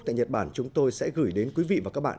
tại nhật bản chúng tôi sẽ gửi đến quý vị và các bạn